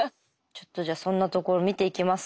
ちょっとじゃあそんなところ見ていきますか。